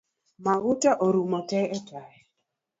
Mauta orumo te etaya